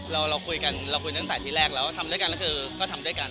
เราคุยกันเราคุยตั้งแต่ที่แรกแล้วทำด้วยกันก็คือก็ทำด้วยกัน